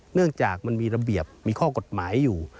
เนื่องจากมันมีระเบียบมีข้อกฎหมายอยู่